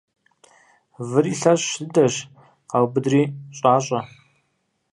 Выри лъэщ дыдэщ къаубыдри щIащIэ.